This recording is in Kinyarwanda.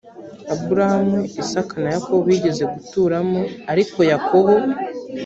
aburahamu isaka na yakobo bigeze guturamo ariko yakobo